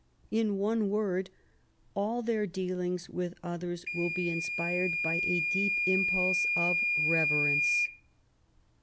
In one word, all their dealings with others will be inspired by a deep impulse of reverence.